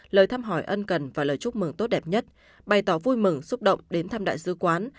lời thăm hỏi ân cần và lời chúc mừng tốt đẹp nhất bày tỏ vui mừng xúc động đến thăm đại sứ quán